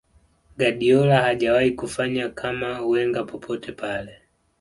guardiola hajawahi kufanya kama wenger popote pale